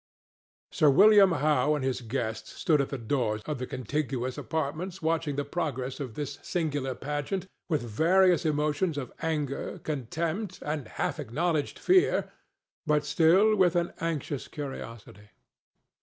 Sir William Howe and his guests stood at the doors of the contiguous apartments watching the progress of this singular pageant with various emotions of anger, contempt or half acknowledged fear, but still with an anxious curiosity.